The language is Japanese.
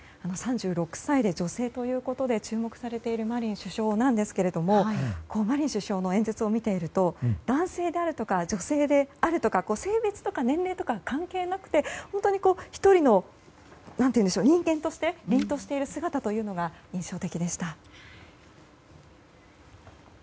３６歳で女性ということで注目されているマリン首相ですがマリン首相の演説を見ていると男性であるとか女性であるとか性別とか年齢とか関係なくて本当に１人の人間として凛としている姿が印象的でした。